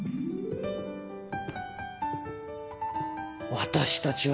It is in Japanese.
私たちは。